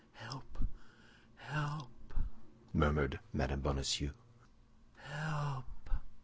Help, help!" murmured Mme. Bonacieux; "help!"